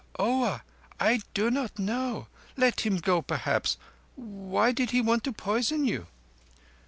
"Oah! I do not know. Let him go, perhaps. Why did he want to poison you?"